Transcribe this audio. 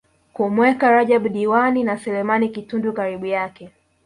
kumweka Rajab Diwani na Selemani Kitundu karibu yake